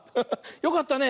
よかったね。